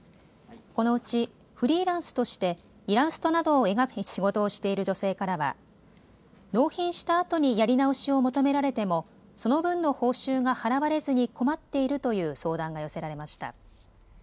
このうち、フリーランスとしてイラストなどを描く仕事をしている女性からは納品したあとにやり直しを求められてもその分の報酬が払われずに困っているという相談が寄せられました。